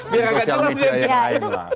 tim sosial media yang lain lah